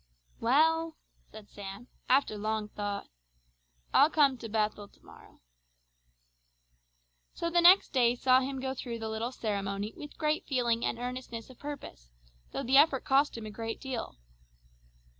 "Well," said Sam after long thought, "I'll come to 'Bethel' to morrow." So the next day saw him go through the little ceremony with great feeling and earnestness of purpose, though the effort cost him a good deal.